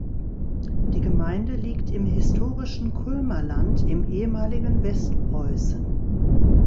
Die Gemeinde liegt im historischen Kulmerland im ehemaligen Westpreußen.